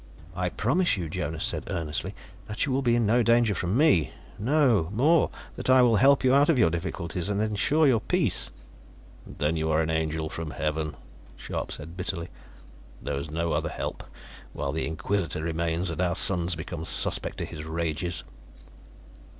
"I promise you," Jonas said earnestly, "that you will be in no danger from me. No, more: that I will help you out of your difficulties, and ensure your peace." "Then you are an angel from Heaven," Scharpe said bitterly. "There is no other help, while the Inquisitor remains and our sons become suspect to his rages."